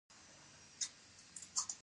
د ځنګل ساتنه د ژوند ساتنه ده